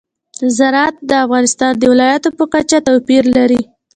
زراعت د افغانستان د ولایاتو په کچه توپیر لري.